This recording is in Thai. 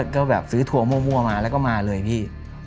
ก็แบบซื้อทัวร์มั่วมาแล้วก็มาเลยพี่